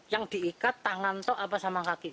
yang diikat tangan tok apa sama kaki